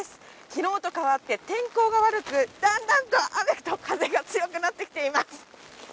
昨日と変わって天候が悪く、だんだんと雨と風が強くなってきています。